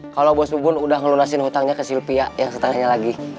kalau bos gubun udah ngelunasin hutangnya ke sylpia yang setengahnya lagi